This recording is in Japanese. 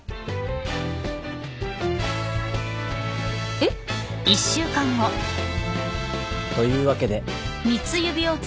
えっ？というわけで。